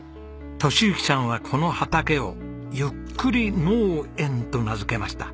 敏之さんはこの畑を「ゆっくり農縁」と名付けました。